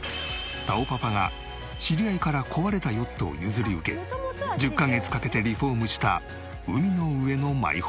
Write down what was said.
たおパパが知り合いから壊れたヨットを譲り受け１０カ月かけてリフォームした海の上のマイホーム。